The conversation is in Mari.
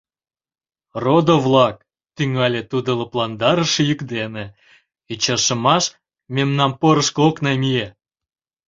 — Родо-влак, — тӱҥале тудо лыпландарыше йӱк дене, — ӱчашымаш мемнам порышко ок намие.